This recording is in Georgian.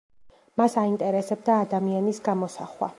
მას აინტერესებდა ადამიანის გამოსახვა.